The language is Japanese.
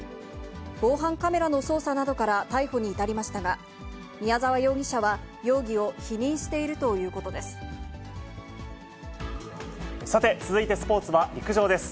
防犯カメラの捜査などから逮捕に至りましたが、宮沢容疑者は容疑さて、続いてスポーツは陸上です。